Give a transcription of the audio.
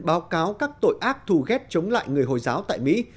báo cáo các tội ác thù ghét chống lại người hồi giáo tại mỹ